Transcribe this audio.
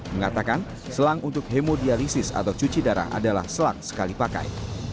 mengatakan selang untuk hemodialisis atau cuci darah adalah selang sekali pakai